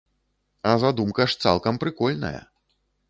А задумка ж цалкам прыкольная!